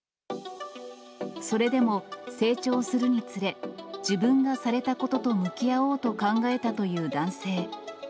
それでも成長するにつれ、自分がされたことと向き合おうと考えたという男性。